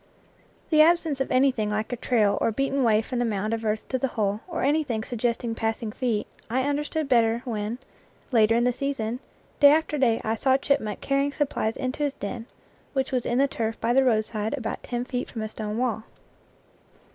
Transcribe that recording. The absence of anything like a trail or beaten way from the mound of earth to the hole, or anything suggesting passing feet, I understood better when, later in the season, day after day I saw a chipmunk carrying supplies into his den, which was in the turf by the roadside about ten feet from a stone wall.